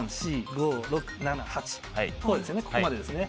ここまでですね。